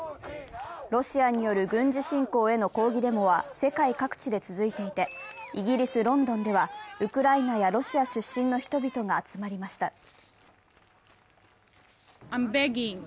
ロシアによる軍事侵攻への抗議デモは世界各地で続いていてイギリス・ロンドンではウクライナやロシア出身の人々が集まりました。